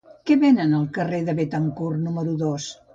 Què venen al carrer de Béthencourt número dos?